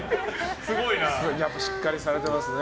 しっかりされてますね。